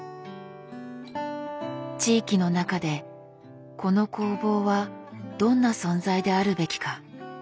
地域の中でこの工房はどんな存在であるべきか？